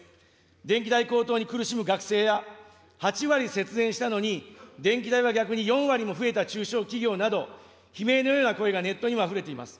電気代高騰に苦しむ学生や、８割節電したのに電気代は逆に４割も増えた中小企業など、悲鳴のような声がネットにもあふれています。